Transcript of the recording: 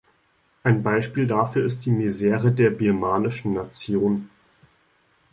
Ein Beispiel dafür ist die Misere der birmanischen Nation.